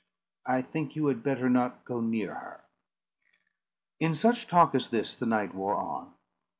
I think you had better not go near her." In such talk as this the night wore on.